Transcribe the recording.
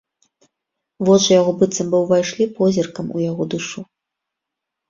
Вочы яго быццам бы ўвайшлі позіркам у яго душу.